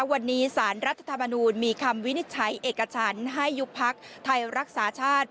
วันนี้สารรัฐธรรมนูลมีคำวินิจฉัยเอกชั้นให้ยุบพักไทยรักษาชาติ